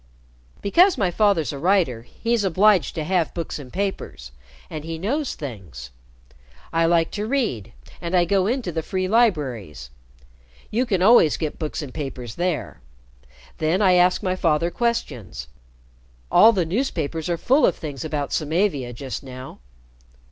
"Because my father's a writer, he's obliged to have books and papers, and he knows things. I like to read, and I go into the free libraries. You can always get books and papers there. Then I ask my father questions. All the newspapers are full of things about Samavia just now."